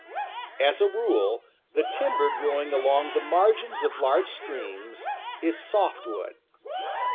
As a rule, the timber growing along the margins of large streams is softwood.